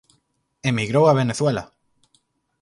Emigrou a Venezuela.